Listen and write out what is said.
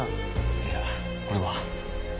いやこれは。